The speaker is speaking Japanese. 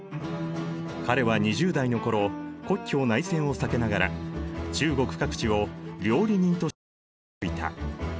彼は２０代の頃国共内戦を避けながら中国各地を料理人として渡り歩いた。